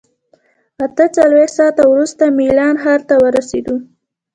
اته څلوېښت ساعته وروسته میلان ښار ته ورسېدو.